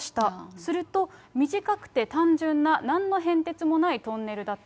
すると、短くて単純な、なんの変哲もないトンネルだった。